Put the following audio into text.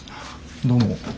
どうも。